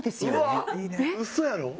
嘘やろ？